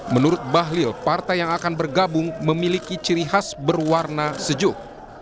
menurut bahlil partai yang akan bergabung memiliki ciri khas berwarna sejuk